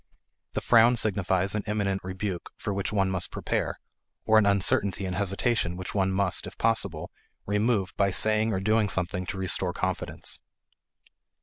The frown signifies an imminent rebuke for which one must prepare, or an uncertainty and hesitation which one must, if possible, remove by saying or doing something to restore confidence.